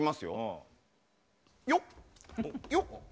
よっ！